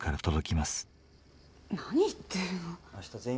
何言ってるの？